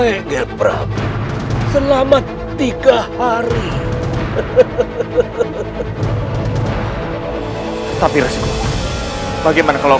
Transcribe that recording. izinkanlah aku menyelamatkan putriku rara santa dari orang yang salah